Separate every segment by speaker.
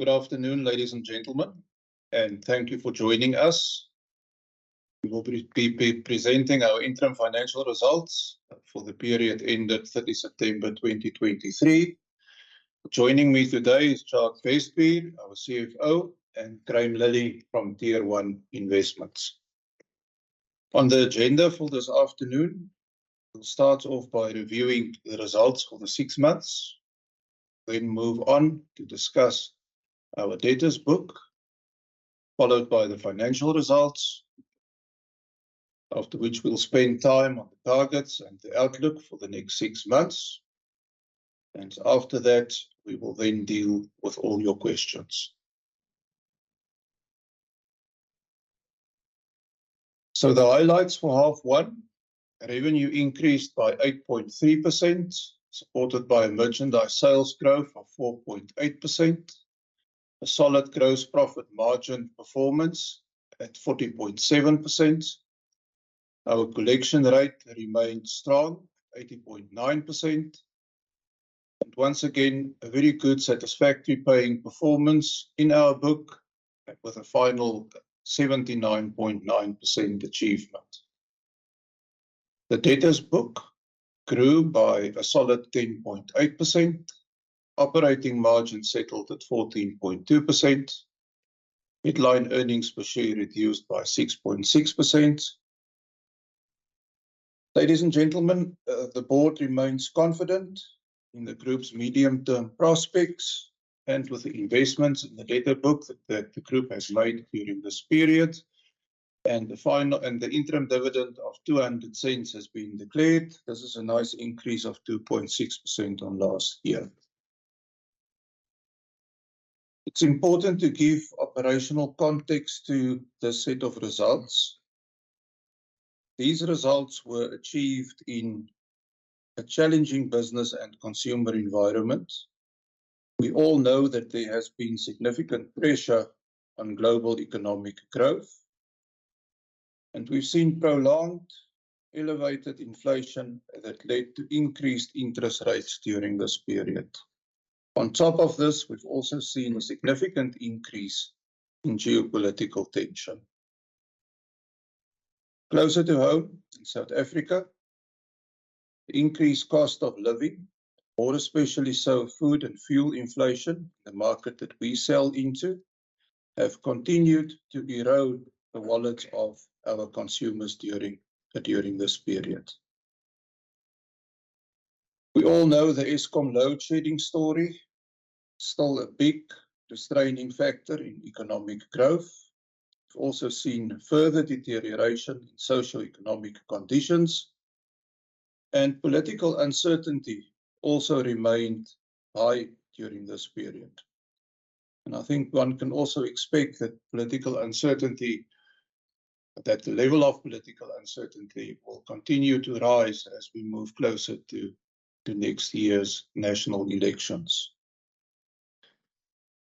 Speaker 1: Good afternoon, ladies and gentlemen, and thank you for joining us. We will be presenting our interim financial results for the period ended September 30, 2023. Joining me today is Jacques Bestbier, our CFO, and Graeme Lillie from Tier 1 Investor Relations. On the agenda for this afternoon, we'll start off by reviewing the results for the six months. Then move on to discuss our debtors book, followed by the financial results, after which we'll spend time on the targets and the outlook for the next six months. And after that, we will then deal with all your questions. So the highlights for half one: revenue increased by 8.3%, supported by a merchandise sales growth of 4.8%. A solid gross profit margin performance at 14.7%. Our collection rate remained strong, 80.9%. Once again, a very good satisfactory paying performance in our book, with a final 79.9% achievement. The debtors book grew by a solid 10.8%. Operating margin settled at 14.2%. Headline earnings per share reduced by 6.6%. Ladies and gentlemen, the board remains confident in the group's medium-term prospects and with the investments in the debtor book that the group has made during this period. And the interim dividend of 200 has been declared. This is a nice increase of 2.6% on last year. It's important to give operational context to this set of results. These results were achieved in a challenging business and consumer environment. We all know that there has been significant pressure on global economic growth, and we've seen prolonged elevated inflation that led to increased interest rates during this period. On top of this, we've also seen a significant increase in geopolitical tension. Closer to home, in South Africa, increased cost of living, more especially so food and fuel inflation, the market that we sell into, have continued to erode the wallets of our consumers during this period. We all know the Eskom load shedding story, still a big restraining factor in economic growth. We've also seen further deterioration in socioeconomic conditions, and political uncertainty also remained high during this period. I think one can also expect that political uncertainty, that the level of political uncertainty, will continue to rise as we move closer to next year's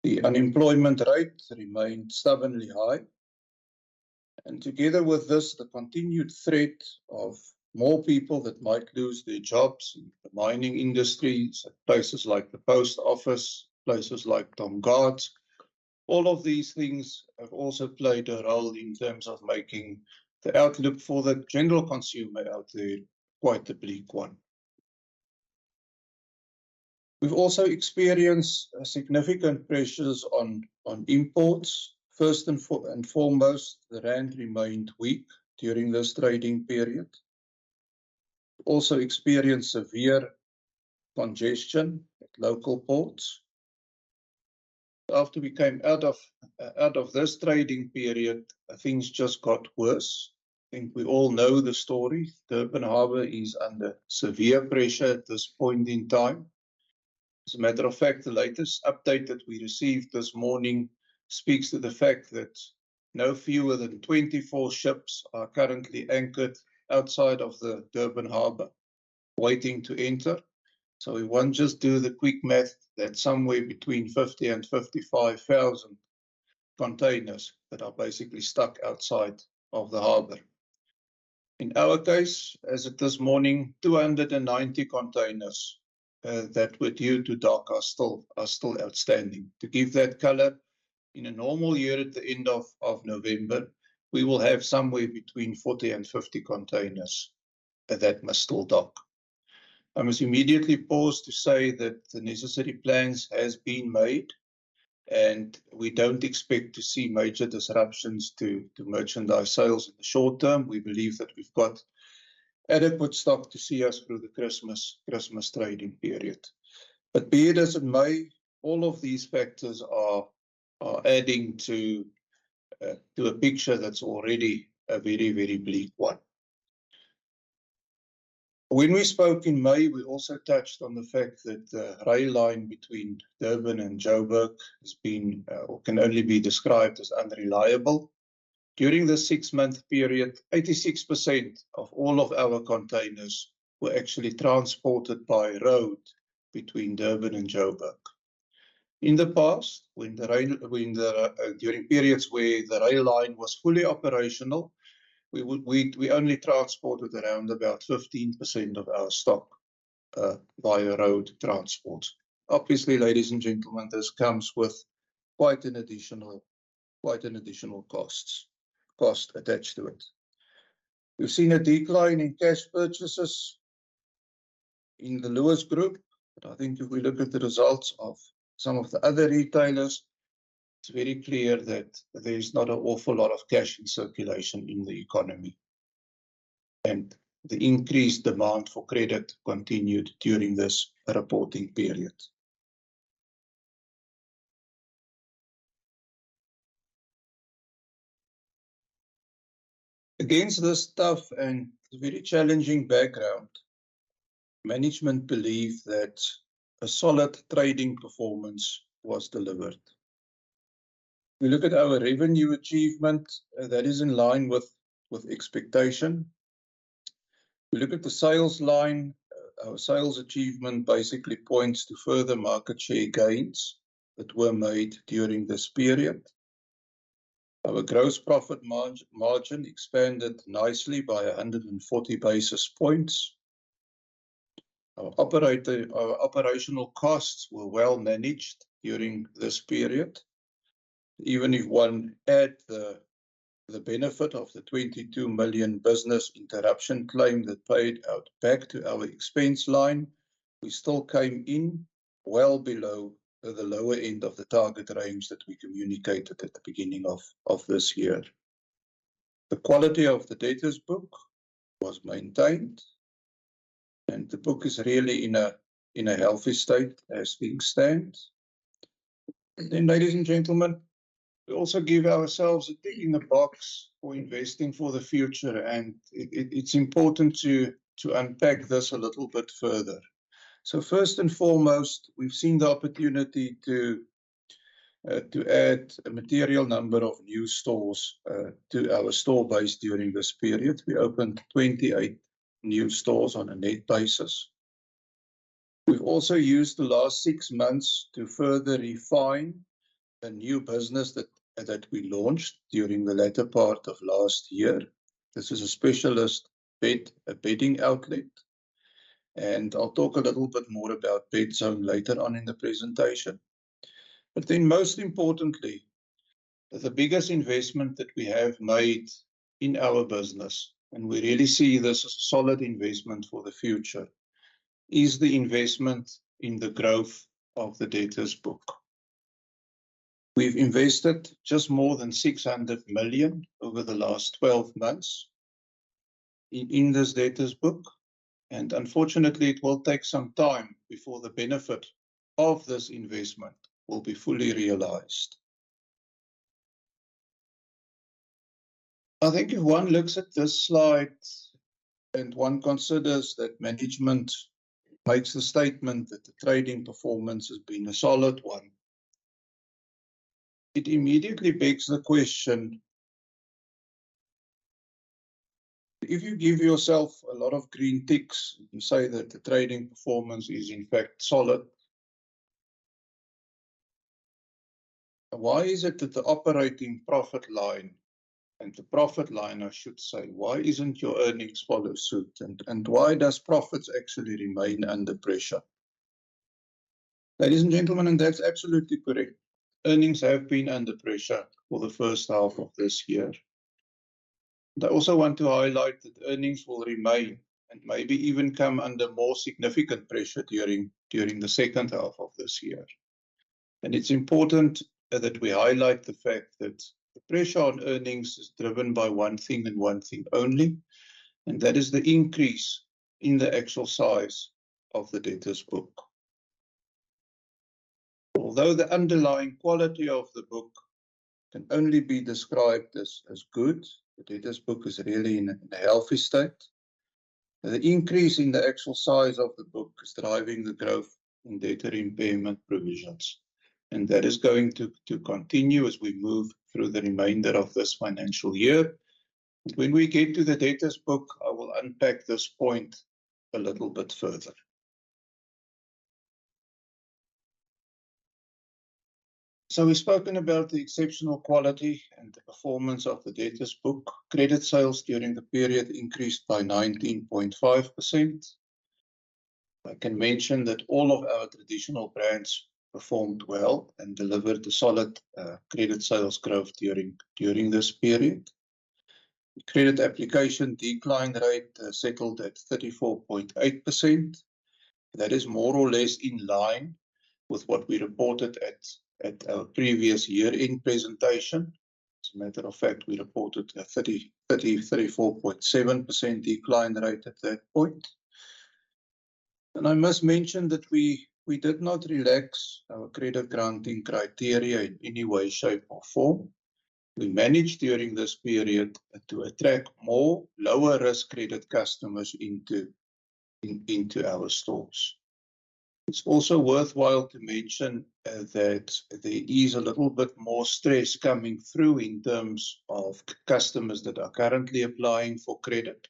Speaker 1: national elections. The unemployment rate remained stubbornly high, and together with this, the continued threat of more people that might lose their jobs in the mining industry, places like the Post Office, places like Tongaat. All of these things have also played a role in terms of making the outlook for the general consumer out there quite a bleak one. We've also experienced significant pressures on imports. First and foremost, the rand remained weak during this trading period. Also experienced severe congestion at local ports. After we came out of this trading period, things just got worse. I think we all know the story. Durban Harbour is under severe pressure at this point in time. As a matter of fact, the latest update that we received this morning speaks to the fact that no fewer than 24 ships are currently anchored outside of the Durban Harbour, waiting to enter. So if one just do the quick math, that's somewhere between 50,000-55,000 containers that are basically stuck outside of the harbour. In our case, as at this morning, 290 containers that were due to dock are still outstanding. To give that color, in a normal year, at the end of November, we will have somewhere between 40-50 containers that must still dock. I must immediately pause to say that the necessary plans has been made, and we don't expect to see major disruptions to merchandise sales in the short term. We believe that we've got adequate stock to see us through the Christmas trading period. But be it as it may, all of these factors are adding to a picture that's already a very, very bleak one. When we spoke in May, we also touched on the fact that the rail line between Durban and Jo'burg has been or can only be described as unreliable. During this six-month period, 86% of all of our containers were actually transported by road between Durban and Jo'burg. In the past, when the rail, during periods where the rail line was fully operational, we would only transported around about 15% of our stock via road transport. Obviously, ladies and gentlemen, this comes with quite an additional cost attached to it. We've seen a decline in cash purchases in the Lewis Group, but I think if we look at the results of some of the other retailers, it's very clear that there is not an awful lot of cash in circulation in the economy. The increased demand for credit continued during this reporting period. Against this tough and very challenging background, management believe that a solid trading performance was delivered. We look at our revenue achievement, that is in line with expectation. We look at the sales line, our sales achievement basically points to further market share gains that were made during this period. Our gross profit margin expanded nicely by 140 basis points. Our operational costs were well managed during this period. Even if one add the benefit of the 22 million business interruption claim that paid out back to our expense line, we still came in well below the lower end of the target range that we communicated at the beginning of this year. The quality of the debtor's book was maintained, and the book is really in a healthy state as things stand. And then, ladies and gentlemen, we also give ourselves a tick in the box for investing for the future, and it's important to unpack this a little bit further. So first and foremost, we've seen the opportunity to add a material number of new stores to our store base during this period. We opened 28 new stores on a net basis. We've also used the last six months to further refine the new business that we launched during the latter part of last year. This is a specialist bed, a bedding outlet, and I'll talk a little bit more about Bedzone later on in the presentation. But then, most importantly, the biggest investment that we have made in our business, and we really see this as a solid investment for the future, is the investment in the growth of the debtors book. We've invested just more than 600 million over the last 12 months in this debtors book, and unfortunately, it will take some time before the benefit of this investment will be fully realized. I think if one looks at this slide and one considers that management makes the statement that the trading performance has been a solid one, it immediately begs the question: If you give yourself a lot of green ticks and say that the trading performance is in fact solid, why is it that the operating profit line... and the profit line, I should say, why isn't your earnings follow suit? And why does profits actually remain under pressure? Ladies and gentlemen, and that's absolutely correct, earnings have been under pressure for the first half of this year. I also want to highlight that earnings will remain, and maybe even come under more significant pressure during the second half of this year. It's important that we highlight the fact that the pressure on earnings is driven by one thing and one thing only, and that is the increase in the actual size of the debtors book. Although the underlying quality of the book can only be described as, as good, the debtors book is really in a, in a healthy state. The increase in the actual size of the book is driving the growth in debtor impairment provisions, and that is going to, to continue as we move through the remainder of this financial year. When we get to the debtors book, I will unpack this point a little bit further. We've spoken about the exceptional quality and the performance of the debtors book. Credit sales during the period increased by 19.5%. I can mention that all of our traditional brands performed well and delivered a solid credit sales growth during this period. Credit application decline rate settled at 34.8%. That is more or less in line with what we reported at our previous year-end presentation. As a matter of fact, we reported a 34.7% decline rate at that point. And I must mention that we did not relax our credit granting criteria in any way, shape, or form. We managed during this period to attract more lower-risk credit customers into our stores. It's also worthwhile to mention that there is a little bit more stress coming through in terms of customers that are currently applying for credit.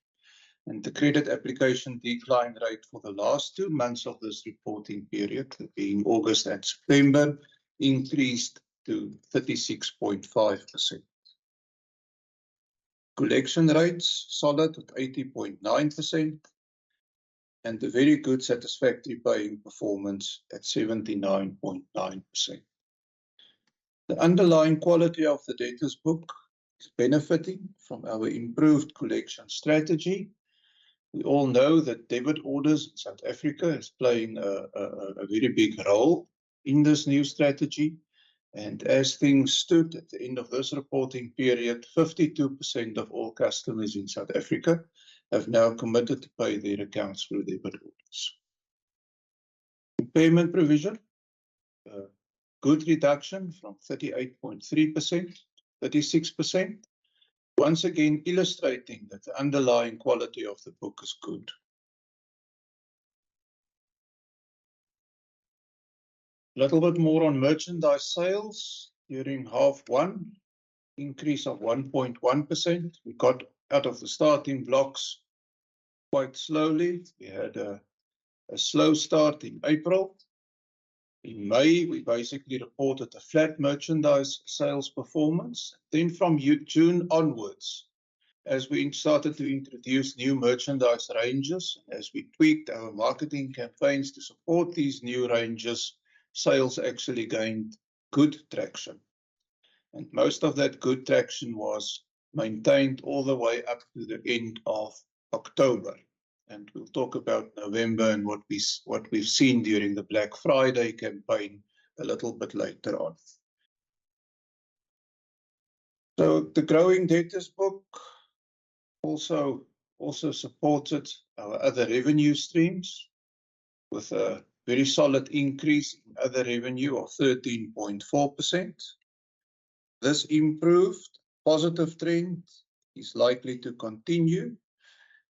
Speaker 1: The credit application decline rate for the last two months of this reporting period, being August and September, increased to 36.5%. Collection rates solid at 80.9%, and a very good satisfactory paying performance at 79.9%. The underlying quality of the debtors book is benefiting from our improved collection strategy. We all know that debit orders in South Africa is playing a very big role in this new strategy. As things stood at the end of this reporting period, 52% of all customers in South Africa have now committed to pay their accounts through debit orders. The payment provision, good reduction from 38.3%, 36%. Once again, illustrating that the underlying quality of the book is good. Little bit more on merchandise sales during half one, increase of 1.1%. We got out of the starting blocks quite slowly. We had a slow start in April. In May, we basically reported a flat merchandise sales performance. Then from June onwards, as we started to introduce new merchandise ranges, as we tweaked our marketing campaigns to support these new ranges, sales actually gained good traction, and most of that good traction was maintained all the way up to the end of October. And we'll talk about November and what we've seen during the Black Friday campaign a little bit later on. So the growing debtors book also supported our other revenue streams, with a very solid increase in other revenue of 13.4%. This improved positive trend is likely to continue,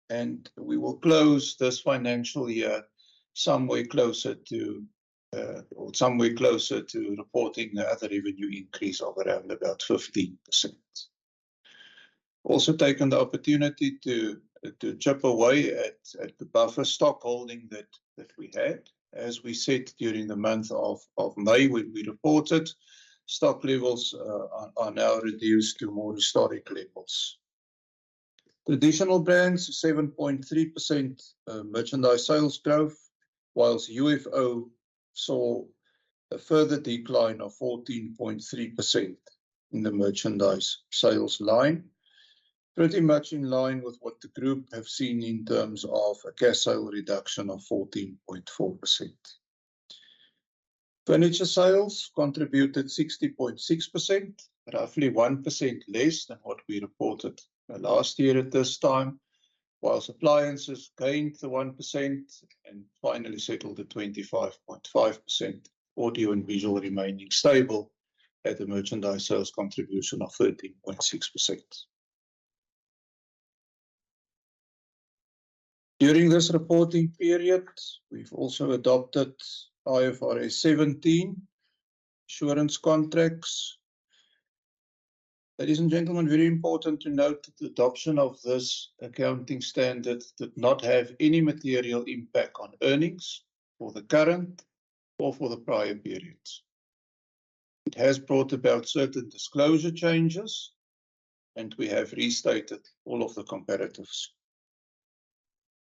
Speaker 1: and we will close this financial year some way closer to... or some way closer to reporting the other revenue increase of around about 15%. Also taken the opportunity to chip away at the buffer stock holding that we had. As we said, during the month of May, when we reported, stock levels are now reduced to more historic levels. Traditional brands, 7.3%, merchandise sales growth, whilst UFO saw a further decline of 14.3% in the merchandise sales line. Pretty much in line with what the group have seen in terms of a cash sale reduction of 14.4%. Furniture sales contributed 60.6%, roughly one percent less than what we reported last year at this time, whilst appliances gained the one percent and finally settled at 25.5%. Audio and visual remaining stable at a merchandise sales contribution of 13.6%. During this reporting period, we've also adopted IFRS 17, insurance contracts. Ladies and gentlemen, very important to note that the adoption of this accounting standard did not have any material impact on earnings for the current or for the prior periods. It has brought about certain disclosure changes, and we have restated all of the comparatives.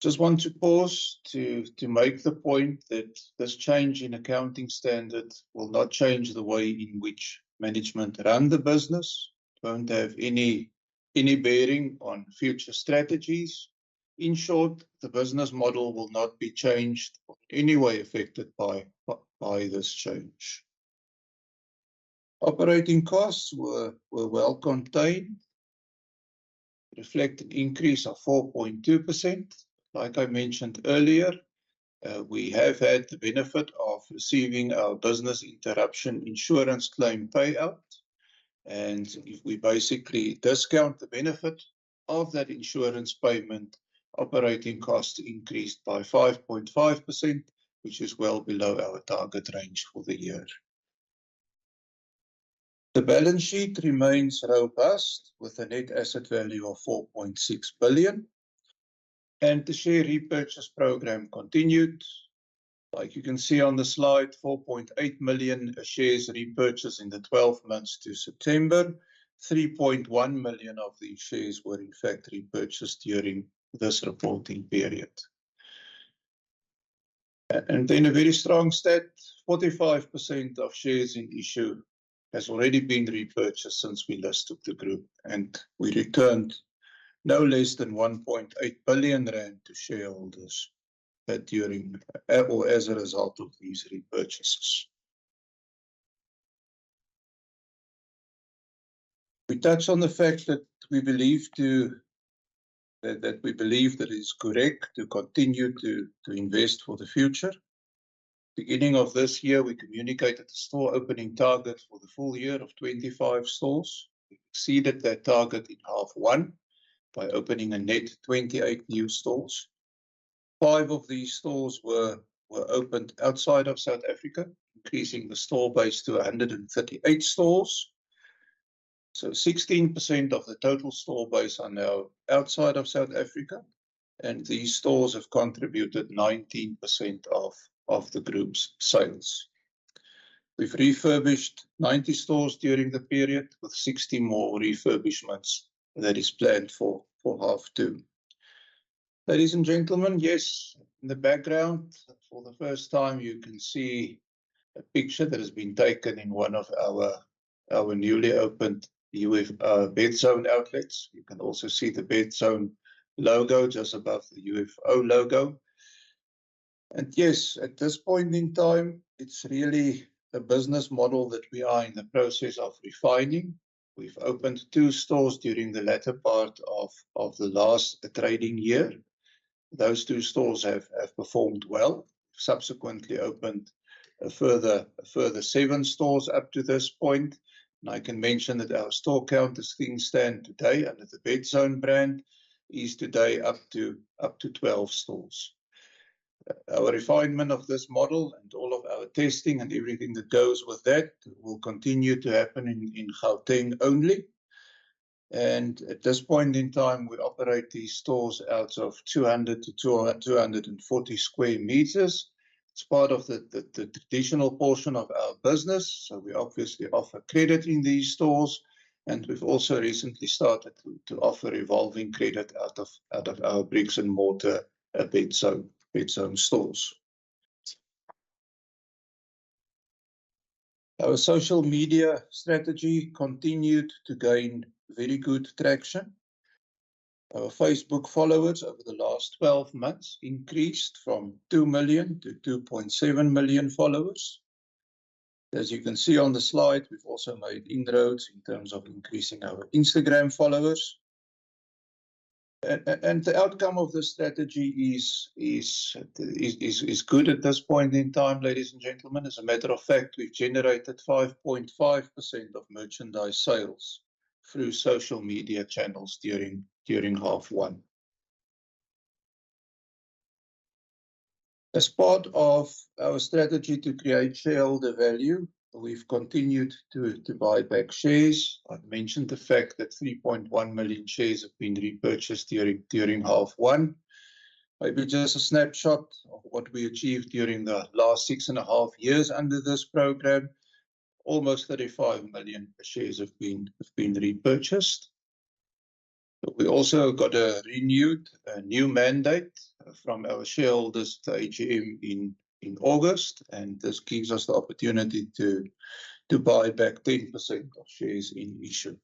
Speaker 1: Just want to pause to make the point that this change in accounting standard will not change the way in which management run the business, don't have any bearing on future strategies. In short, the business model will not be changed or in any way affected by this change. Operating costs were well contained, reflecting increase of 4.2%. Like I mentioned earlier, we have had the benefit of receiving our business interruption insurance claim payout, and if we basically discount the benefit of that insurance payment, operating costs increased by 5.5%, which is well below our target range for the year. The balance sheet remains robust, with a net asset value of 4.6 billion, and the share repurchase program continued. Like you can see on the slide, 4.8 million shares repurchased in the 12 months to September. 3.1 million of these shares were in fact repurchased during this reporting period. And then a very strong stat, 45% of shares in issue has already been repurchased since we listed the group, and we returned no less than 1.8 billion rand to shareholders, during, or as a result of these repurchases. We touched on the fact that we believe that it is correct to continue to invest for the future. Beginning of this year, we communicated the store opening target for the full year of 25 stores. We exceeded that target in half one by opening a net 28 new stores. Five of these stores were opened outside of South Africa, increasing the store base to 138 stores. So 16% of the total store base are now outside of South Africa, and these stores have contributed 19% of the group's sales. We've refurbished 90 stores during the period, with 60 more refurbishments that is planned for half two. Ladies and gentlemen, yes, in the background, for the first time, you can see a picture that has been taken in one of our, our newly opened UFO Bedzone outlets. You can also see the Bedzone logo just above the UFO logo. And yes, at this point in time, it's really a business model that we are in the process of refining. We've opened two stores during the latter part of, of the last trading year. Those two stores have, have performed well. Subsequently opened a further, a further two stores up to this point, and I can mention that our store count as things stand today under the Bedzone brand, is today up to, up to 12 stores. Our refinement of this model and all of our testing and everything that goes with that, will continue to happen in, in Gauteng only. At this point in time, we operate these stores out of 200-240 square meters. It's part of the traditional portion of our business, so we obviously offer credit in these stores, and we've also recently started to offer revolving credit out of our bricks-and-mortar Bedzone stores. Our social media strategy continued to gain very good traction. Our Facebook followers over the last 12 months increased from 2 million to 2.7 million followers. As you can see on the slide, we've also made inroads in terms of increasing our Instagram followers. And the outcome of this strategy is good at this point in time, ladies and gentlemen. As a matter of fact, we've generated 5.5% of merchandise sales through social media channels during half one. As part of our strategy to create shareholder value, we've continued to buy back shares. I've mentioned the fact that 3.1 million shares have been repurchased during half one. Maybe just a snapshot of what we achieved during the last 6.5 years under this program, almost 35 million shares have been repurchased. We also got a new mandate from our shareholders at the AGM in August, and this gives us the opportunity to buy back 10% of shares in issue.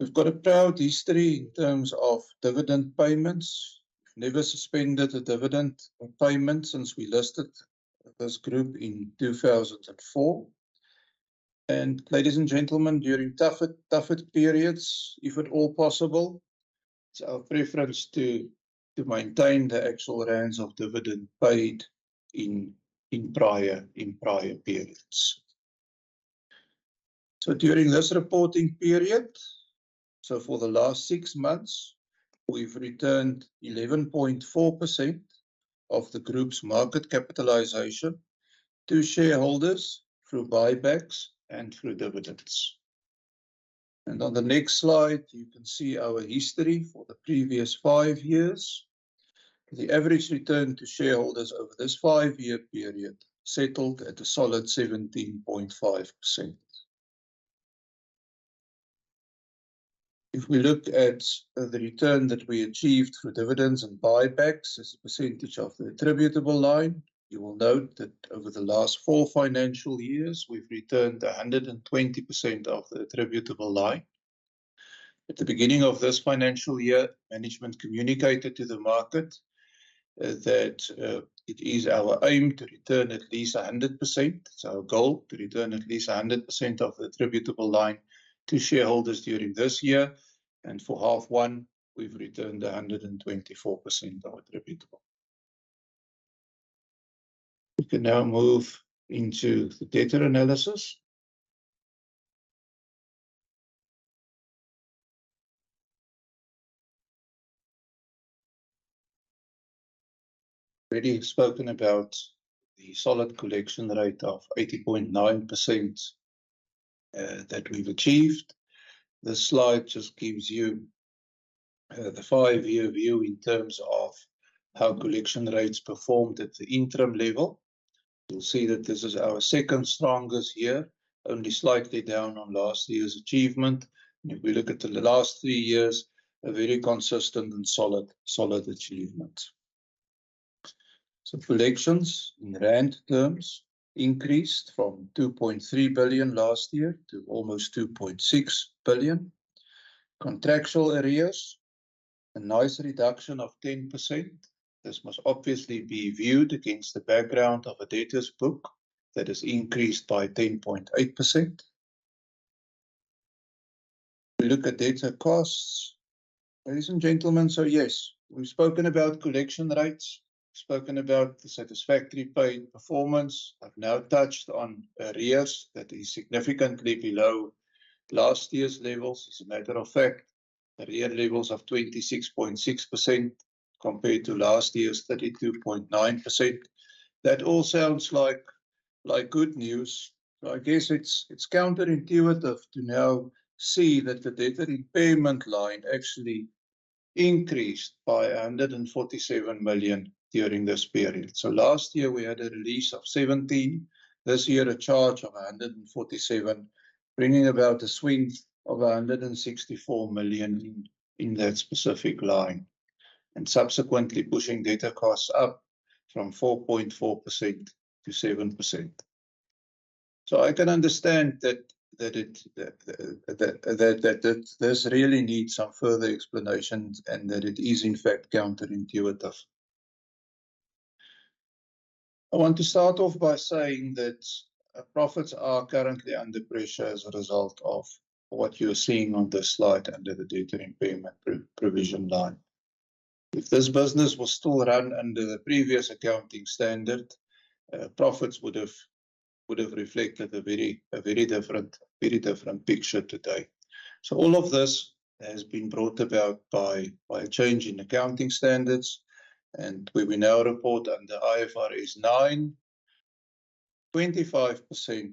Speaker 1: We've got a proud history in terms of dividend payments. We've never suspended a dividend payment since we listed this group in 2004. And ladies and gentlemen, during tougher periods, if at all possible, it's our preference to maintain the actual rounds of dividend paid in prior periods. So during this reporting period, so for the last six months, we've returned 11.4% of the group's market capitalization to shareholders through buybacks and through dividends. And on the next slide, you can see our history for the previous five years. The average return to shareholders over this five-year period settled at a solid 17.5%. If we look at the return that we achieved through dividends and buybacks as a percentage of the attributable line, you will note that over the last four financial years, we've returned 120% of the attributable line. At the beginning of this financial year, management communicated to the market that it is our aim to return at least 100%. It's our goal to return at least 100% of the attributable line to shareholders during this year, and for half one, we've returned 124% of attributable. We can now move into the debtor analysis. Already spoken about the solid collection rate of 80.9% that we've achieved. This slide just gives you the five-year view in terms of how collection rates performed at the interim level. You'll see that this is our second strongest year, only slightly down on last year's achievement. If we look at the last three years, a very consistent and solid, solid achievement. So collections in rand terms increased from 2.3 billion last year to almost 2.6 billion. Contractual arrears, a nice reduction of 10%. This must obviously be viewed against the background of a debtors book that is increased by 10.8%. We look at debtor costs. Ladies and gentlemen, so, yes, we've spoken about collection rates, spoken about the satisfactory pay performance. I've now touched on arrears that is significantly below last year's levels. As a matter of fact, arrear levels of 26.6% compared to last year's 32.9%.... that all sounds like, like good news. So I guess it's, it's counterintuitive to now see that the debtor impairment line actually increased by 147 million during this period. So last year, we had a release of 17, this year, a charge of 147, bringing about a swing of 164 million in that specific line, and subsequently pushing debtor costs up from 4.4% to 7%. So I can understand that it this really needs some further explanation, and that it is, in fact, counterintuitive. I want to start off by saying that profits are currently under pressure as a result of what you're seeing on this slide under the debtor impairment provision line. If this business was still run under the previous accounting standard, profits would have reflected a very, a very different, very different picture today. So all of this has been brought about by a change in accounting standards, and we will now report under IFRS 9. 25%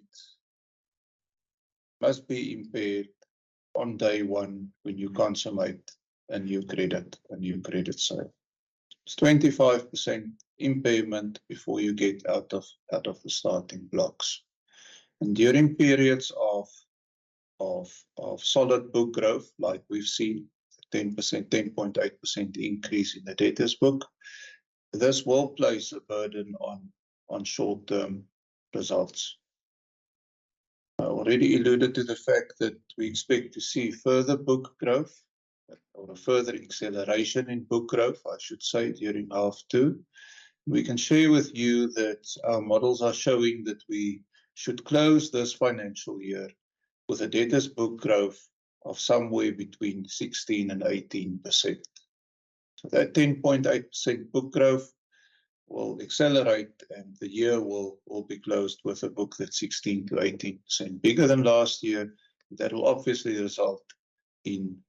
Speaker 1: must be impaired on day one when you consummate a new credit, a new credit sale. It's 25% impairment before you get out of the starting blocks. And during periods of solid book growth, like we've seen, 10%, 10.8% increase in the debtors book, this will place a burden on short-term results. I already alluded to the fact that we expect to see further book growth or a further acceleration in book growth, I should say, during half two. We can share with you that our models are showing that we should close this financial year with a debtors book growth of somewhere between 16% and 18%. So that 10.8% book growth will accelerate, and the year will be closed with a book that's 16%-18% bigger than last year. That will obviously result in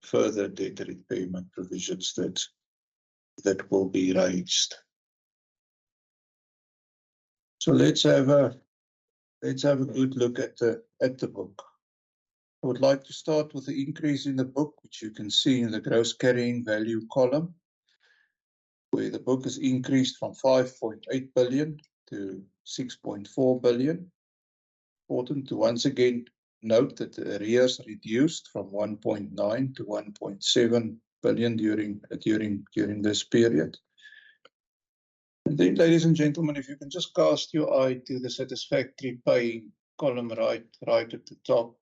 Speaker 1: further debtor repayment provisions that will be raised. So let's have a good look at the book. I would like to start with the increase in the book, which you can see in the gross carrying value column, where the book has increased from 5.8 billion-6.4 billion. Important to once again note that the arrears reduced from 1.9 billion-1.7 billion during this period. Then, ladies and gentlemen, if you can just cast your eye to the satisfactory paying column, right, right at the top,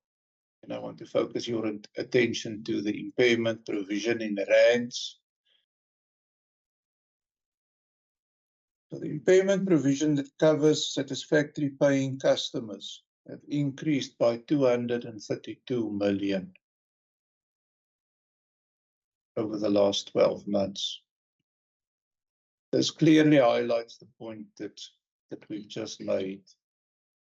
Speaker 1: and I want to focus your attention to the impairment provision in rands. So the impairment provision that covers satisfactory paying customers have increased by 232 million over the last 12 months. This clearly highlights the point that, that we've just made.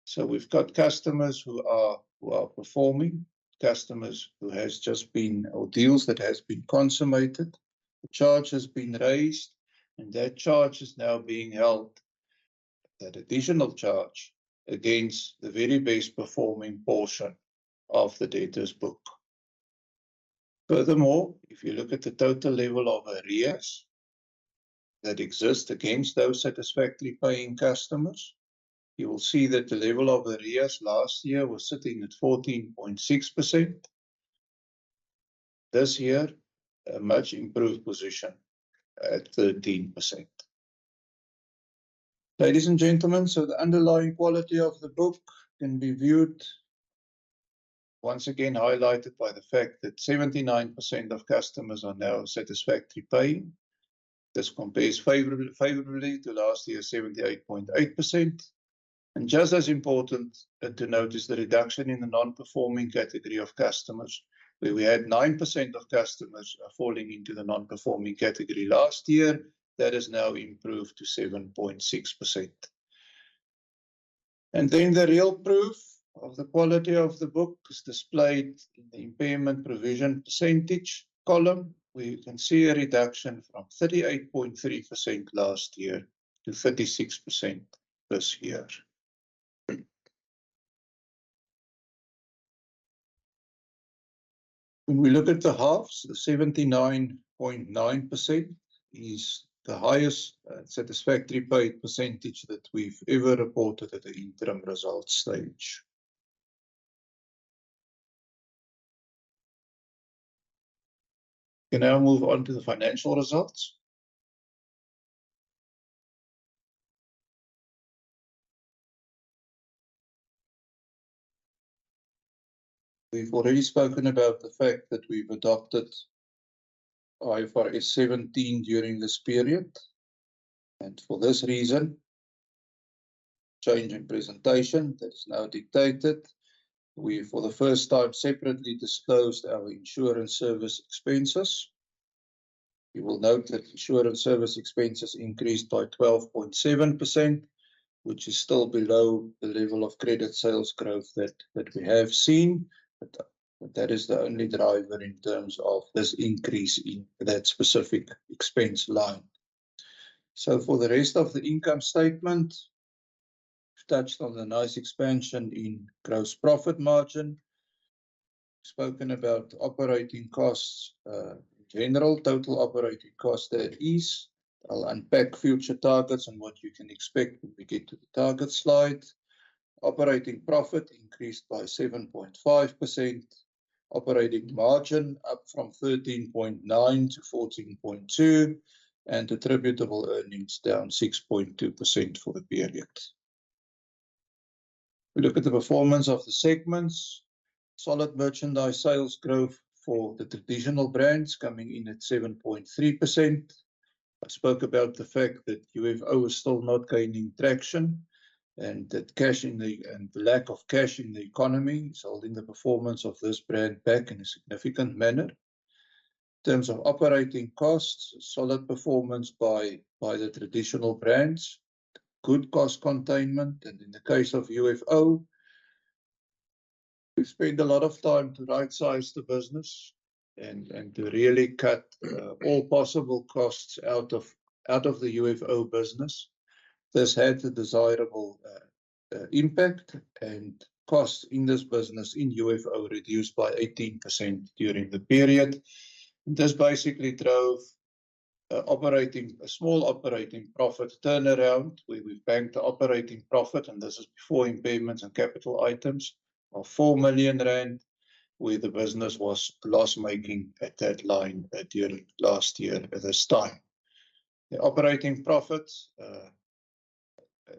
Speaker 1: So we've got customers who are, who are performing, customers who has just been... or deals that has been consummated. A charge has been raised, and that charge is now being held, that additional charge, against the very best performing portion of the debtors book. Furthermore, if you look at the total level of arrears that exist against those satisfactorily paying customers, you will see that the level of arrears last year was sitting at 14.6%. This year, a much improved position at 13%. Ladies and gentlemen, so the underlying quality of the book can be viewed once again, highlighted by the fact that 79% of customers are now satisfactory paying. This compares favorably, favorably to last year, 78.8%. And just as important, to note is the reduction in the non-performing category of customers, where we had 9% of customers, falling into the non-performing category last year. That has now improved to 7.6%. And then the real proof of the quality of the book is displayed in the impairment provision percentage column, where you can see a reduction from 38.3% last year to 36% this year. When we look at the halves, 79.9% is the highest satisfactory paying percentage that we've ever reported at the interim results stage. We now move on to the financial results. We've already spoken about the fact that we've adopted IFRS 17 during this period, and for this reason, change in presentation that is now dictated. We, for the first time, separately disclosed our insurance service expenses. You will note that insurance service expenses increased by 12.7%, which is still below the level of credit sales growth that, that we have seen, but that is the only driver in terms of this increase in that specific expense line. So for the rest of the income statement, we've touched on the nice expansion in gross profit margin. We've spoken about operating costs in general, total operating costs, that is. I'll unpack future targets and what you can expect when we get to the target slide. Operating profit increased by 7.5%. Operating margin up from 13.9 to 14.2, and attributable earnings down 6.2% for the period. We look at the performance of the segments. Solid merchandise sales growth for the traditional brands, coming in at 7.3%. I spoke about the fact that UFO is still not gaining traction, and that cash in the economy and the lack of cash in the economy is holding the performance of this brand back in a significant manner. In terms of operating costs, solid performance by the traditional brands, good cost containment, and in the case of UFO, we spend a lot of time to right-size the business and to really cut all possible costs out of the UFO business. This had the desirable impact, and costs in this business, in UFO, reduced by 18% during the period. This basically drove a small operating profit turnaround, where we've banked the operating profit, and this is before impairments and capital items, of 4 million rand, where the business was loss-making at that line during last year at this time. The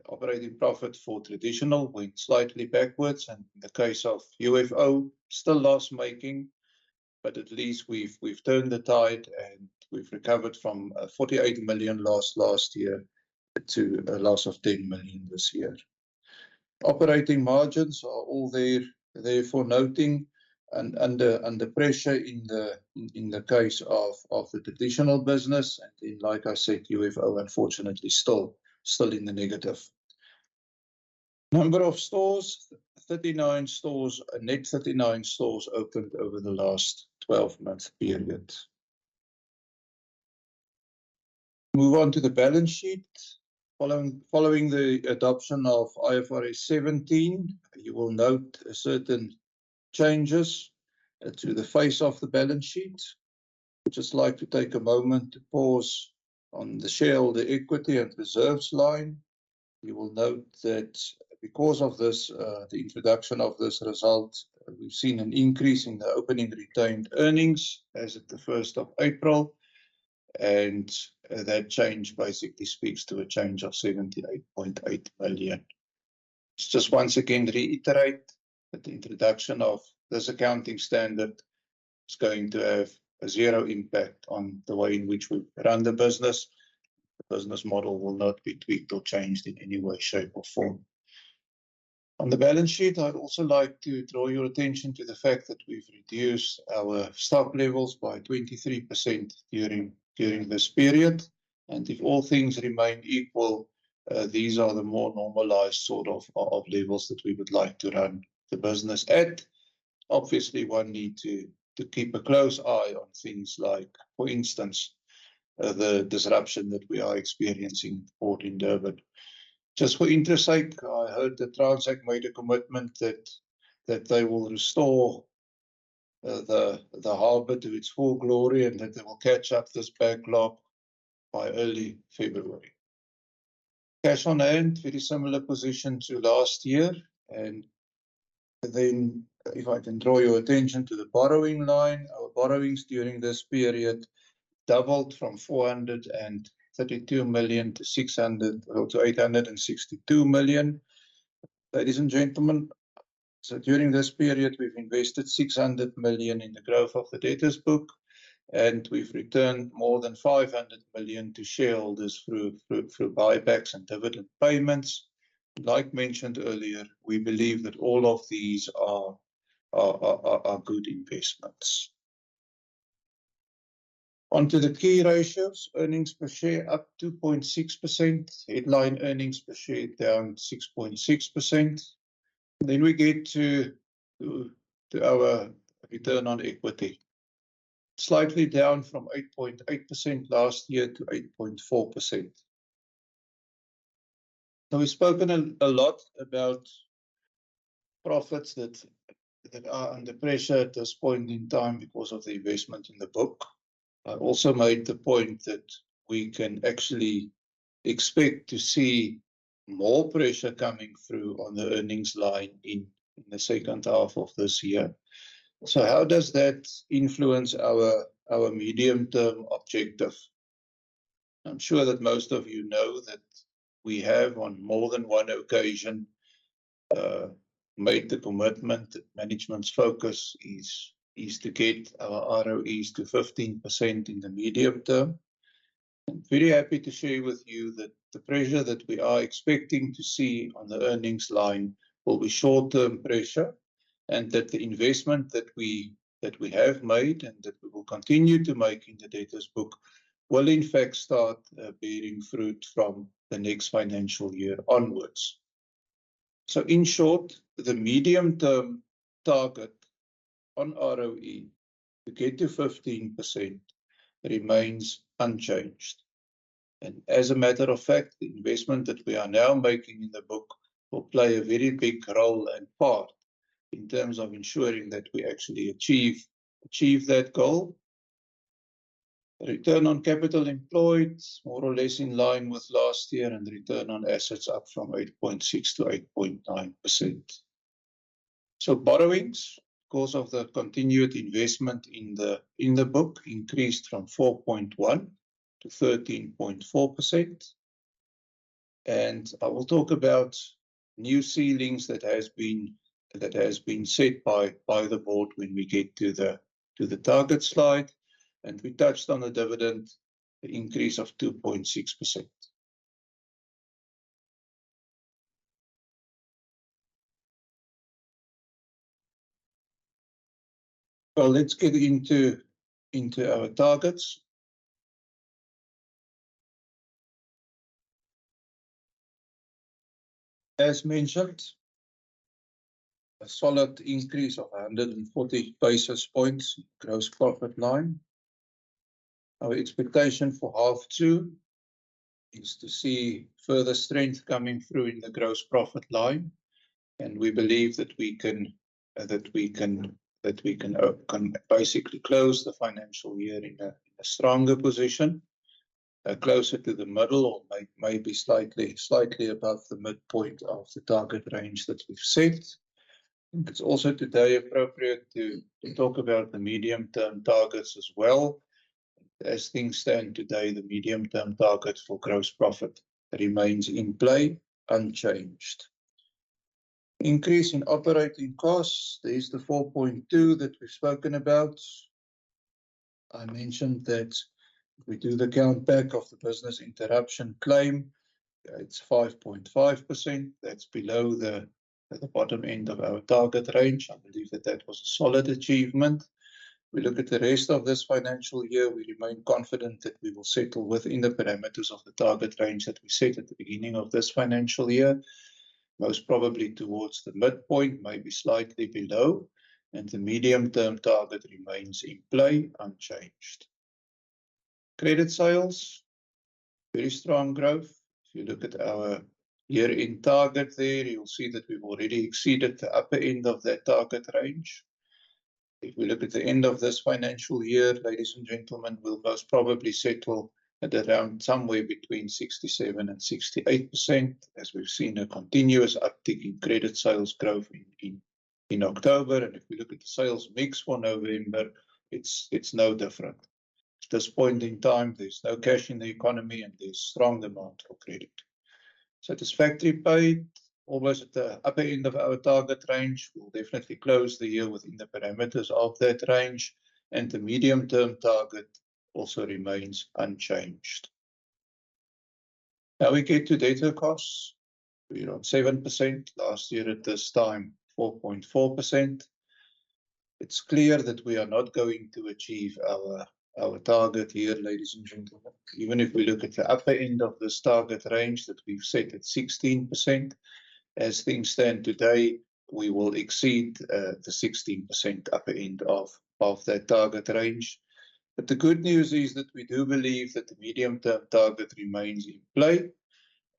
Speaker 1: operating profit for traditional went slightly backwards, and in the case of UFO, still loss-making, but at least we've turned the tide and we've recovered from a 48 million loss last year to a 10 million loss this year. Operating margins are all there, therefore noting, and under pressure in the case of the traditional business, and then, like I said, UFO unfortunately still in the negative. Number of stores, 39 stores, a net 39 stores opened over the last 12-month period. Move on to the balance sheet. Following the adoption of IFRS 17, you will note certain changes to the face of the balance sheet. I'd just like to take a moment to pause on the shareholder equity and reserves line. You will note that because of this, the introduction of this result, we've seen an increase in the opening retained earnings as at the first of April, and that change basically speaks to a change of 78.8 billion. Just once again, reiterate that the introduction of this accounting standard is going to have a 0 impact on the way in which we run the business. The business model will not be tweaked or changed in any way, shape, or form. On the balance sheet, I'd also like to draw your attention to the fact that we've reduced our stock levels by 23% during this period, and if all things remain equal, these are the more normalized sort of levels that we would like to run the business at. Obviously, one needs to keep a close eye on things like, for instance, the disruption that we are experiencing in Port Elizabeth. Just for interest's sake, I heard that Transnet made a commitment that they will restore the harbor to its full glory, and that they will catch up this backlog by early February. Cash on hand, very similar position to last year. And then if I can draw your attention to the borrowing line. Our borrowings during this period doubled from 432 million-862 million. Ladies and gentlemen, so during this period, we've invested 600 million in the growth of the debtors book, and we've returned more than 500 million to shareholders through buybacks and dividend payments. Like mentioned earlier, we believe that all of these are good investments. Onto the key ratios. Earnings per share up 2.6%. Headline earnings per share down 6.6%. Then we get to our return on equity, slightly down from 8.8% last year to 8.4%. Now, we've spoken a lot about profits that are under pressure at this point in time because of the investment in the book. I also made the point that we can actually expect to see more pressure coming through on the earnings line in the second half of this year. So how does that influence our medium-term objective? I'm sure that most of you know that we have, on more than one occasion, made the commitment. Management's focus is to get our ROE to 15% in the medium term. I'm very happy to share with you that the pressure that we are expecting to see on the earnings line will be short-term pressure, and that the investment that we have made and that we will continue to make in the debtors book, will in fact start bearing fruit from the next financial year onwards... So in short, the medium-term target on ROE to get to 15% remains unchanged. And as a matter of fact, the investment that we are now making in the book will play a very big role and part in terms of ensuring that we actually achieve that goal. Return on capital employed, more or less in line with last year, and return on assets up from 8.6% to 8.9%. So borrowings, because of the continued investment in the, in the book, increased from 4.1%-13.4%. And I will talk about new ceilings that has been, that has been set by, by the board when we get to the, to the target slide. And we touched on the dividend, an increase of 2.6%. So let's get into, into our targets. As mentioned, a solid increase of 140 basis points gross profit line. Our expectation for half two is to see further strength coming through in the gross profit line, and we believe that we can, that we can, that we can, can basically close the financial year in a, a stronger position, closer to the middle or maybe slightly, slightly above the midpoint of the target range that we've set. I think it's also today appropriate to talk about the medium-term targets as well. As things stand today, the medium-term target for gross profit remains in play unchanged. Increase in operating costs, there is the 4.2 that we've spoken about. I mentioned that if we do the countback of the business interruption claim, it's 5.5%. That's below the bottom end of our target range. I believe that that was a solid achievement. We look at the rest of this financial year, we remain confident that we will settle within the parameters of the target range that we set at the beginning of this financial year, most probably towards the midpoint, maybe slightly below, and the medium-term target remains in play unchanged. Credit sales, very strong growth. If you look at our year-end target there, you'll see that we've already exceeded the upper end of that target range. If we look at the end of this financial year, ladies and gentlemen, we'll most probably settle at around somewhere between 67% and 68%, as we've seen a continuous uptick in credit sales growth in October. If we look at the sales mix for November, it's no different. At this point in time, there's no cash in the economy, and there's strong demand for credit. Satisfactory paying, almost at the upper end of our target range. We'll definitely close the year within the parameters of that range, and the medium-term target also remains unchanged. Now we get to debt costs. We are at 7%. Last year at this time, 4.4%. It's clear that we are not going to achieve our, our target here, ladies and gentlemen. Even if we look at the upper end of this target range that we've set at 16%, as things stand today, we will exceed the 16% upper end of, of that target range. But the good news is that we do believe that the medium-term target remains in play,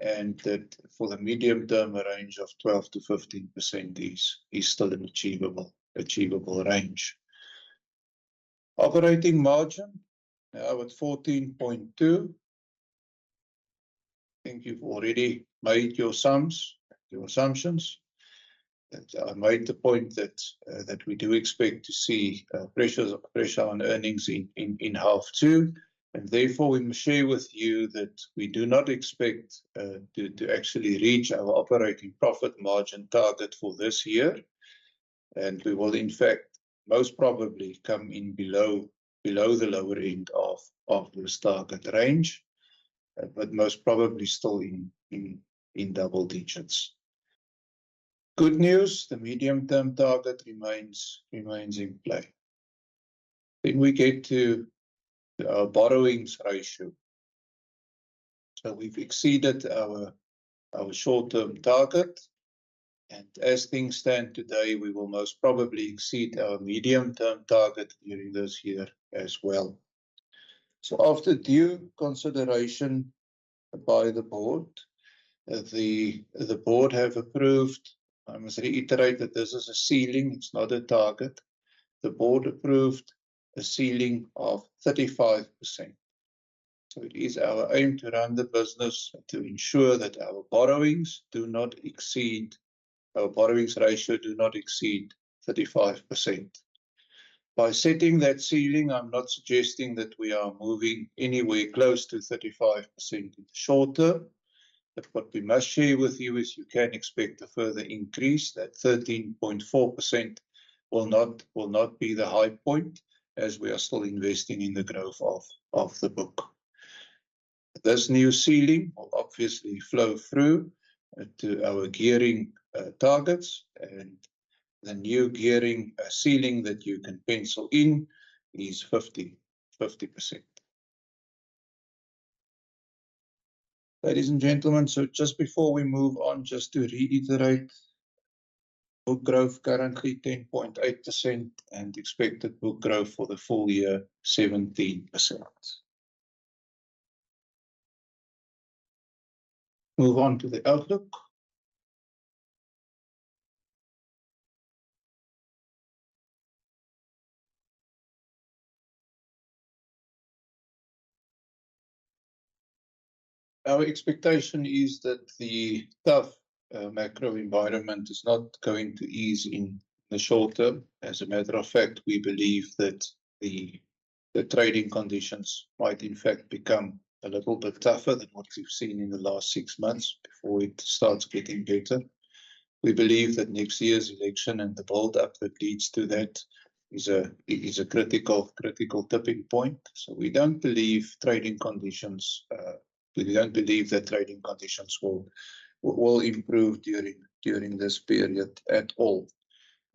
Speaker 1: and that for the medium term, a range of 12%-15% is, is still an achievable, achievable range. Operating margin, now at 14.2. I think you've already made your sums, your assumptions. I made the point that we do expect to see pressure on earnings in half two, and therefore, we must share with you that we do not expect to actually reach our operating profit margin target for this year. We will, in fact, most probably come in below the lower end of this target range, but most probably still in double digits. Good news, the medium-term target remains in play. We get to our borrowings ratio. We've exceeded our short-term target, and as things stand today, we will most probably exceed our medium-term target during this year as well. After due consideration by the board, the board have approved... I must reiterate that this is a ceiling, it's not a target. The board approved a ceiling of 35%. So it is our aim to run the business to ensure that our borrowings do not exceed, our borrowings ratio do not exceed 35%. By setting that ceiling, I'm not suggesting that we are moving anywhere close to 35% in the short term. But what we must share with you is you can expect a further increase, that 13.4% will not, will not be the high point, as we are still investing in the growth of, of the book. This new ceiling will obviously flow through to our gearing targets, and the new gearing ceiling that you can pencil in is 50%. Ladies and gentlemen, so just before we move on, just to reiterate, book growth currently 10.8%, and expected book growth for the full year, 17%. Move on to the outlook. Our expectation is that the tough, macro environment is not going to ease in the short term. As a matter of fact, we believe that the trading conditions might, in fact, become a little bit tougher than what we've seen in the last six months before it starts getting better. We believe that next year's election and the build-up that leads to that is a critical tipping point. So we don't believe trading conditions. We don't believe that trading conditions will improve during this period at all.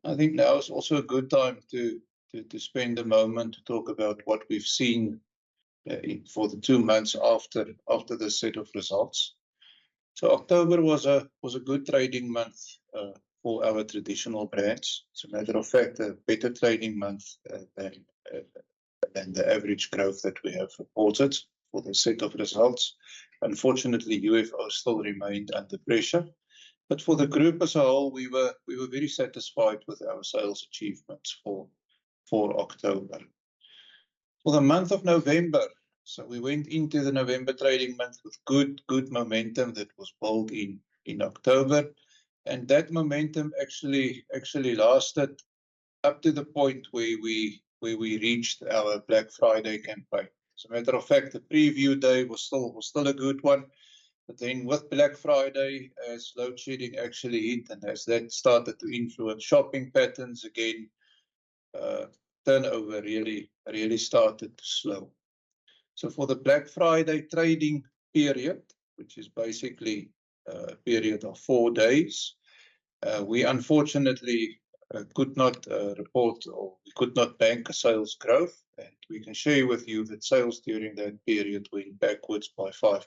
Speaker 1: I think now is also a good time to spend a moment to talk about what we've seen in for the two months after this set of results. So October was a good trading month for our traditional brands. As a matter of fact, a better trading month than than the average growth that we have reported for the set of results. Unfortunately, UFO still remained under pressure, but for the group as a whole, we were, we were very satisfied with our sales achievements for, for October. For the month of November, so we went into the November trading month with good, good momentum that was built in, in October, and that momentum actually, actually lasted up to the point where we, where we reached our Black Friday campaign. As a matter of fact, the preview day was still, was still a good one, but then with Black Friday, Load shedding actually hit, and as that started to influence shopping patterns again, turnover really, really started to slow. So for the Black Friday trading period, which is basically a period of four days, we unfortunately could not report or we could not bank a sales growth. We can share with you that sales during that period went backwards by 5%,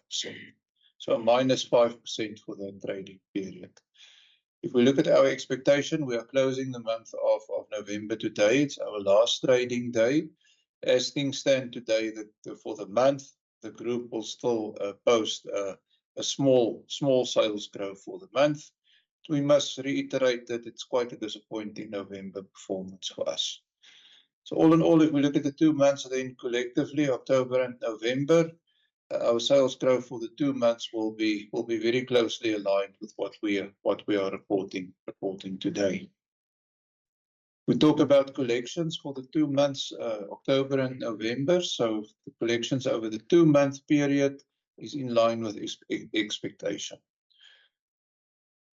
Speaker 1: so a minus 5% for that trading period. If we look at our expectation, we are closing the month of November today. It's our last trading day. As things stand today, for the month, the group will still post a small sales growth for the month. We must reiterate that it's quite a disappointing November performance for us. So all in all, if we look at the two months, then collectively, October and November, our sales growth for the two months will be very closely aligned with what we are reporting today. We talk about collections for the two months, October and November. So the collections over the two-month period is in line with expectation.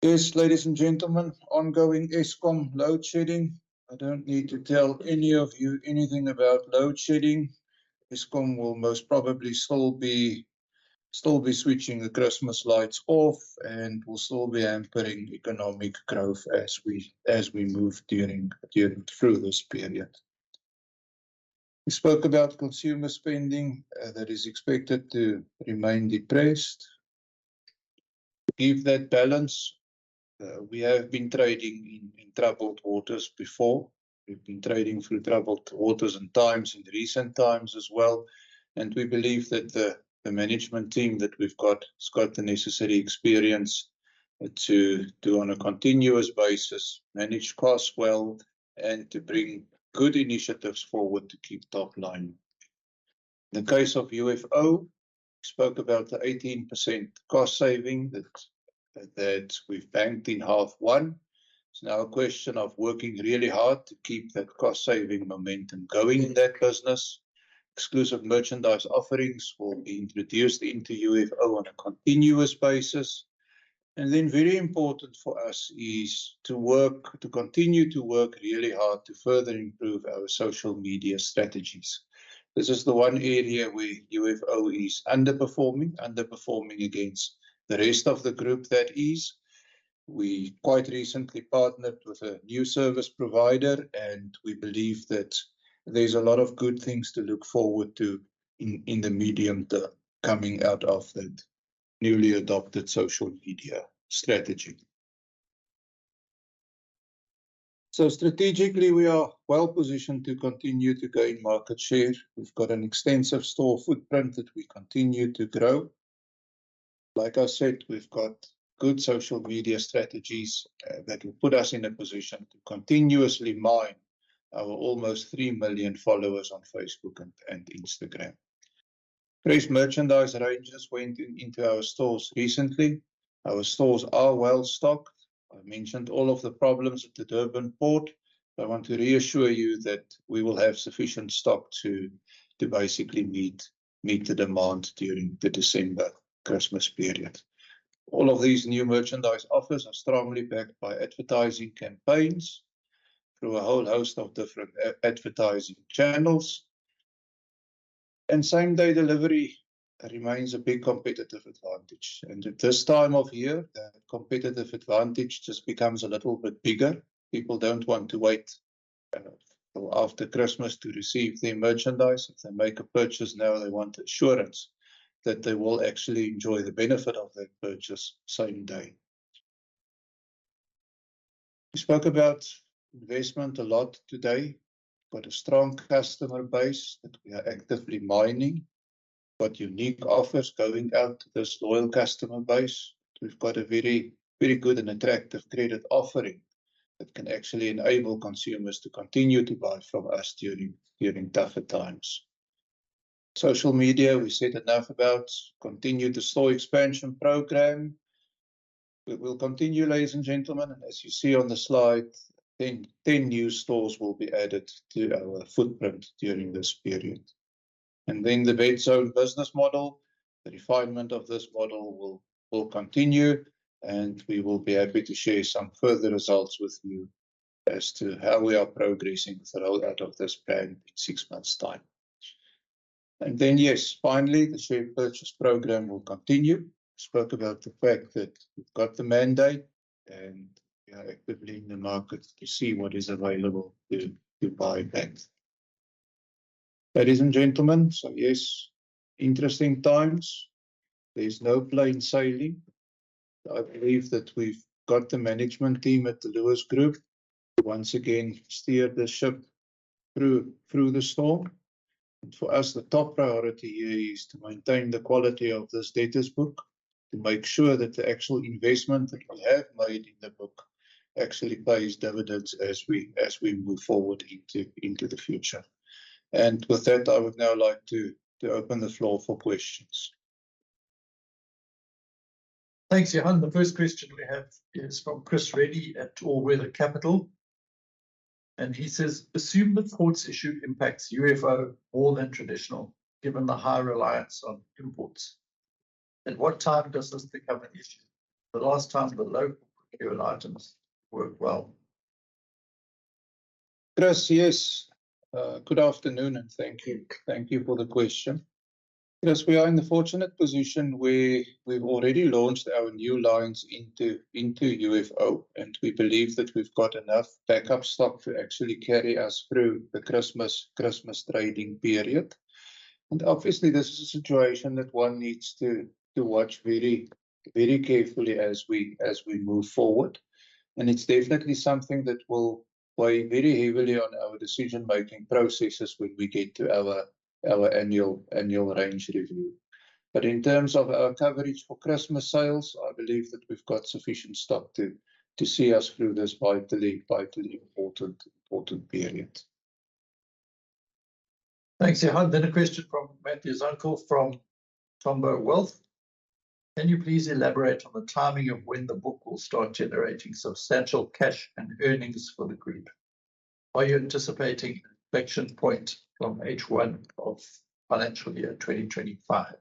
Speaker 1: Yes, ladies and gentlemen, ongoing Eskom load shedding. I don't need to tell any of you anything about load shedding. Eskom will most probably still be switching the Christmas lights off and will still be hampering economic growth as we move during through this period. We spoke about consumer spending that is expected to remain depressed. To give that balance, we have been trading in troubled waters before. We've been trading through troubled waters and times in recent times as well, and we believe that the management team that we've got has got the necessary experience to, on a continuous basis, manage costs well and to bring good initiatives forward to keep top line. In the case of UFO, we spoke about the 18% cost saving that we've banked in H1. It's now a question of working really hard to keep that cost-saving momentum going in that business. Exclusive merchandise offerings will be introduced into UFO on a continuous basis. Then, very important for us is to continue to work really hard to further improve our social media strategies. This is the one area where UFO is underperforming against the rest of the group. We quite recently partnered with a new service provider, and we believe that there's a lot of good things to look forward to in the medium term, coming out of that newly adopted social media strategy. So strategically, we are well positioned to continue to gain market share. We've got an extensive store footprint that we continue to grow. Like I said, we've got good social media strategies that will put us in a position to continuously mine our almost 3 million followers on Facebook and Instagram. Fresh merchandise ranges went into our stores recently. Our stores are well stocked. I mentioned all of the problems at the Durban port. I want to reassure you that we will have sufficient stock to basically meet the demand during the December Christmas period. All of these new merchandise offers are strongly backed by advertising campaigns through a whole host of different advertising channels. Same-day delivery remains a big competitive advantage, and at this time of year, that competitive advantage just becomes a little bit bigger. People don't want to wait... well, after Christmas to receive their merchandise. If they make a purchase now, they want assurance that they will actually enjoy the benefit of that purchase same day. We spoke about investment a lot today, got a strong customer base that we are actively mining. Got unique offers going out to this loyal customer base. We've got a very, very good and attractive credit offering that can actually enable consumers to continue to buy from us during tougher times. Social media, we said enough about. Continue the store expansion program. We will continue, ladies and gentlemen, and as you see on the slide, 10, 10 new stores will be added to our footprint during this period. And then the Bedzone business model, the refinement of this model will, will continue, and we will be happy to share some further results with you as to how we are progressing the rollout of this plan in six months time. And then, yes, finally, the share purchase program will continue. We spoke about the fact that we've got the mandate, and we are actively in the market to see what is available to, to buy back. Ladies and gentlemen, so yes, interesting times. There's no plain sailing. I believe that we've got the management team at the Lewis Group to once again steer the ship through, through the storm. For us, the top priority here is to maintain the quality of this debtors book, to make sure that the actual investment that we have made in the book actually pays dividends as we move forward into the future. With that, I would now like to open the floor for questions.
Speaker 2: Thanks, Johan. The first question we have is from Chris Reddy at All Weather Capital, and he says: Assume the ports issue impacts UFO more than traditional, given the high reliance on imports. At what time does this become an issue? The last time, the local items worked well.
Speaker 1: Chris, yes. Good afternoon, and thank you. Thank you for the question. Yes, we are in the fortunate position where we've already launched our new lines into UFO, and we believe that we've got enough backup stock to actually carry us through the Christmas trading period. And obviously, this is a situation that one needs to watch very carefully as we move forward. And it's definitely something that will weigh very heavily on our decision-making processes when we get to our annual range review. But in terms of our coverage for Christmas sales, I believe that we've got sufficient stock to see us through this vitally important period.
Speaker 2: Thanks, Johan. Then a question from Matthew Zunckel from Umthombo Wealth. Can you please elaborate on the timing of when the book will start generating substantial cash and earnings for the group? Are you anticipating inflection point from H1 of financial year 2025?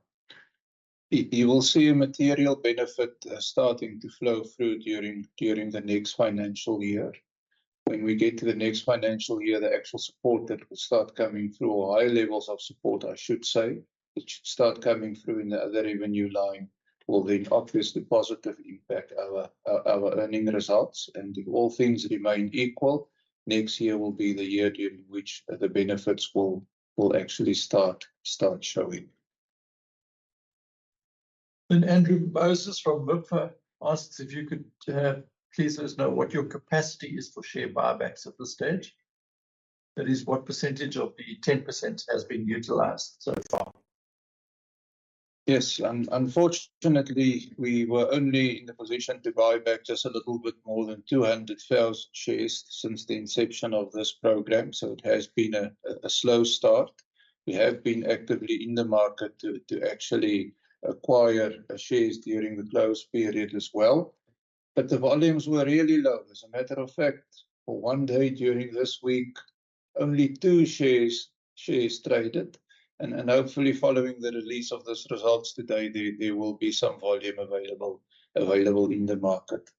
Speaker 1: You will see a material benefit starting to flow through during the next financial year. When we get to the next financial year, the actual support that will start coming through, or higher levels of support, I should say, which should start coming through in the other revenue line, will then obviously positively impact our earning results. And if all things remain equal, next year will be the year during which the benefits will actually start showing.
Speaker 2: Andrew Moses from [Wolfe] asks if you could please let us know what your capacity is for share buybacks at this stage. That is, what percentage of the 10% has been utilized so far?
Speaker 1: Yes, unfortunately, we were only in the position to buy back just a little bit more than 200,000 shares since the inception of this program, so it has been a slow start. We have been actively in the market to actually acquire shares during the close period as well, but the volumes were really low. As a matter of fact, for one day during this week, only two shares traded. And hopefully, following the release of these results today, there will be some volume available in the market.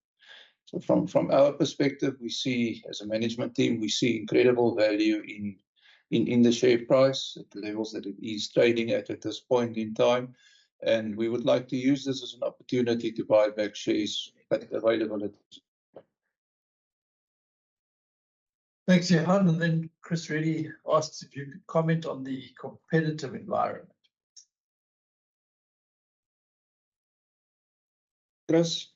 Speaker 1: So from our perspective, we see... As a management team, we see incredible value in the share price at the levels that it is trading at, at this point in time, and we would like to use this as an opportunity to buy back shares that are available at this time.
Speaker 2: Thanks, Johan. And then Chris Ready asks if you could comment on the competitive environment.
Speaker 1: Chris,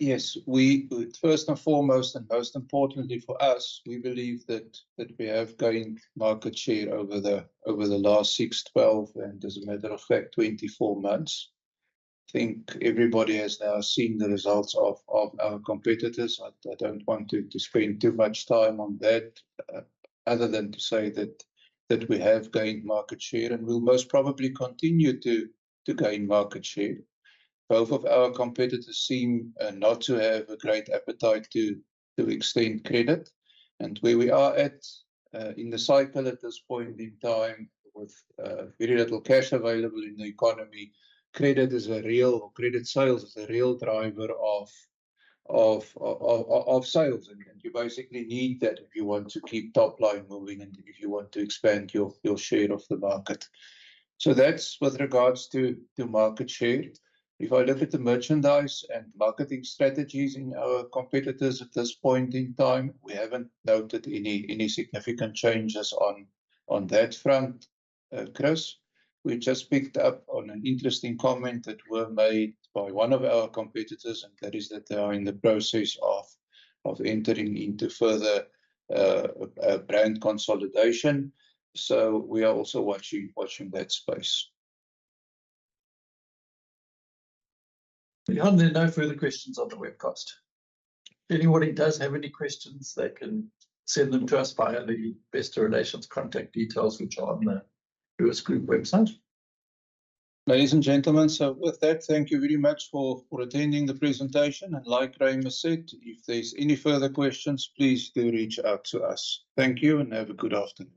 Speaker 1: yes, we first and foremost, and most importantly for us, we believe that we have gained market share over the last 6, 12, and, as a matter of fact, 24 months. I think everybody has now seen the results of our competitors. I don't want to spend too much time on that, other than to say that we have gained market share and will most probably continue to gain market share. Both of our competitors seem not to have a great appetite to extend credit. And where we are at in the cycle at this point in time with very little cash available in the economy, credit sales is a real driver of sales. You basically need that if you want to keep top line moving and if you want to expand your share of the market. That's with regards to market share. If I look at the merchandise and marketing strategies in our competitors at this point in time, we haven't noted any significant changes on that front, Chris. We just picked up on an interesting comment that were made by one of our competitors, and that is that they are in the process of entering into further brand consolidation. So we are also watching that space.
Speaker 2: Johan, there are no further questions on the webcast. If anybody does have any questions, they can send them to us via the investor relations contact details, which are on the Lewis Group website.
Speaker 1: Ladies and gentlemen, with that, thank you very much for attending the presentation. Like Graeme has said, if there's any further questions, please do reach out to us. Thank you, and have a good afternoon.